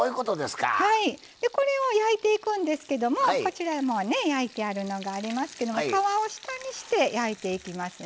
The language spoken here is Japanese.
これを焼いていくんですけども焼いてあるのがありますけども皮を下にして焼いていきます。